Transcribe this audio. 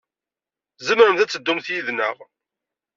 Tzemremt ad teddumt yid-neɣ.